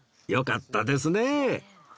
よかったですね